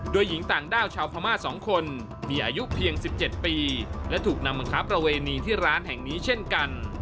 โดยหญิงต่างด้าวชาวพม่า๒คนมีอายุเพียง๑๗ปีและถูกนำมาค้าประเวณีที่ร้านแห่งนี้เช่นกัน